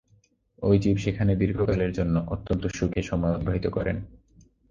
ঐ জীব সেখানে দীর্ঘকালের জন্য অত্যন্ত সুখে সময় অতিবাহিত করেন।